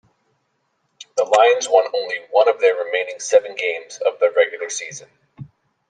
The Lions won only one of their remaining seven games of the regular season.